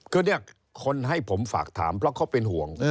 คือเนี่ยคนให้ผมฝากถามเพราะเขาเป็นห่วง